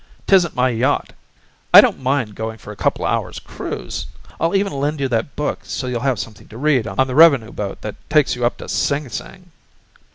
"'Tisn't my yacht. I don't mind going for a coupla hours' cruise. I'll even lend you that book so you'll have something to read on the revenue boat that takes you up to Sing Sing."